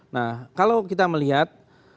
nah kalau kita melihat